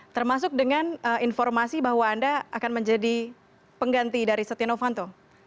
termasuk dengan informasi bahwa anda akan menjadi pengganti dari setia novanto